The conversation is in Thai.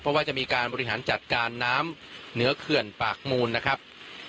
เพราะว่าจะมีการบริหารจัดการน้ำเหนือเขื่อนปากมูลนะครับ